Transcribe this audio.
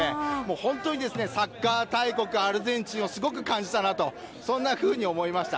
本当にサッカー大国アルゼンチンをすごく感じたなと思いました。